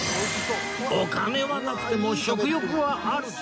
お金はなくても食欲はある！